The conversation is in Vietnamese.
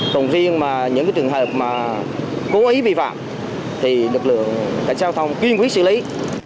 còn riêng mà những trường hợp mà cố ý vi phạm thì lực lượng cảnh sát giao thông kiên quyết xử lý